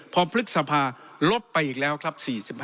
พอพฤษภาลบไปอีกแล้วครับ๔๕